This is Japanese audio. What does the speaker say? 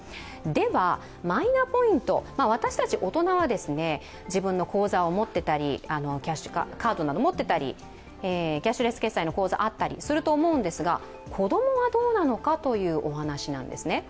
では、マイナポイント私たち大人は自分の口座を持っていたり、キャッシュカードを持っていたり、キャッシュレス決済の口座あったりすると思うんですが、子供はどうなのかというお話なんですね。